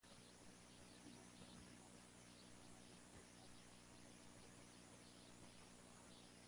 Este jardín botánico es miembro de la Associazione Internazionale Giardini Botanici Alpini.